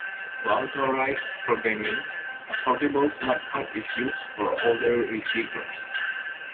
To authorize programming, a portable smartcard is used for older receivers.